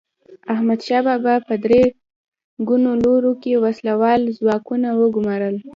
احمدشاه بابا په درې ګونو لورو کې وسله وال ځواکونه وګمارل.